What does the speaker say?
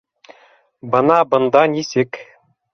Бына бында нисек